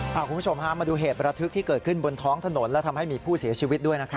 คุณผู้ชมฮะมาดูเหตุประทึกที่เกิดขึ้นบนท้องถนนและทำให้มีผู้เสียชีวิตด้วยนะครับ